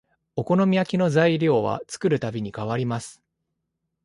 お好み焼きの材料は作るたびに変わります